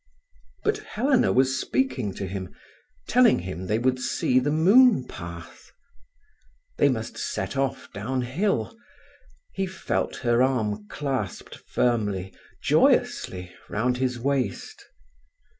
But Helena was speaking to him, telling him they would see the moon path. They must set off downhill. He felt her arm clasped firmly, joyously, round his waist.